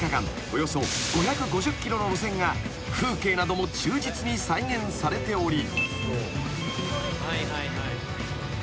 およそ５５０ｋｍの路線が風景なども忠実に再現されており］